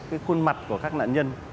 với khuôn mặt của các nạn nhân